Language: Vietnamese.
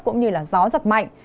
cũng như là gió giật mạnh